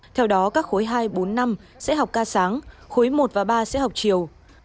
theo đó các khối hai bốn năm sẽ học ca sáng khối một và ba sẽ học chiều